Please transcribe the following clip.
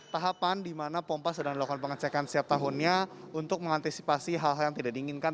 tahapan di mana pompa sedang dilakukan pengecekan setiap tahunnya untuk mengantisipasi hal hal yang tidak diinginkan